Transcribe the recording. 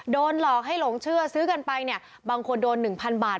โดนหลอกให้หลงเชื่อซื้อกันไปเนี่ยบางคนโดน๑๐๐บาท